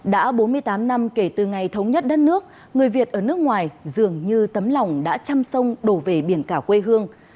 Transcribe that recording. đã bốn mươi tám năm kể từ ngày thống nhất đất nước người việt ở nước ngoài dường như tấm lòng đã chăm sông đổ về biển cả quê hương